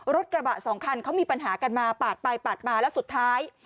รถกระบะสองคันเขามีปัญหากันมาปาดไปปาดมาแล้วสุดท้าย